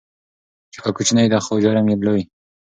ژبه کوچنۍ ده خو جرم یې لوی.